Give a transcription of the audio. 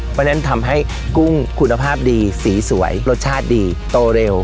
เพราะฉะนั้นทำให้กุ้งคุณภาพดีสีสวยรสชาติดีโตเร็ว